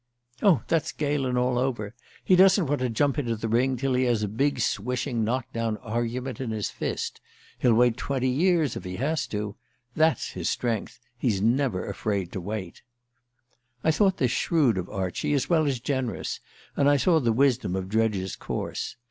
"Oh, that's Galen all over. He doesn't want to jump into the ring till he has a big swishing knock down argument in his fist. He'll wait twenty years if he has to. That's his strength: he's never afraid to wait." I thought this shrewd of Archie, as well as generous; and I saw the wisdom of Dredge's course.